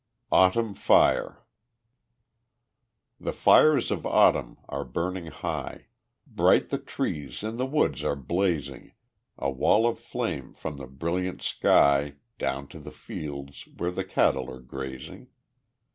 Autumn Fire The fires of Autumn are burning high; Bright the trees in the woods are blazing A wall of flame from the brilliant sky Down to the fields where the cattle are grazing.